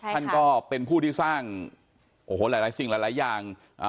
ท่านก็เป็นผู้ที่สร้างโอ้โหหลายสิ่งหลายอย่าง